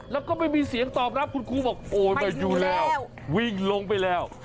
แล้วก็ไม่มีเสียงตอบรับคุณครูบอกโอ๊ยไม่อยู่แล้ววิ่งลงไปแล้ว